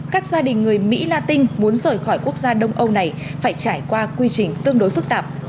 các gia đình người mỹ latin muốn rời khỏi quốc gia đông âu này phải trải qua quy trình tương đối phức tạp